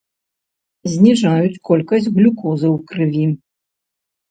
Зніжаюць колькасць глюкозы ў крыві.